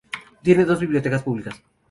Tiene dos bibliotecas públicas.